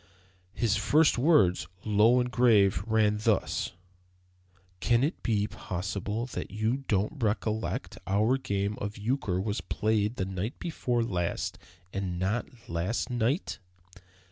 His first words, low and grave, ran thus: "Can it be possible you don't recollect that our game of euchre was played the night before last and not last night?"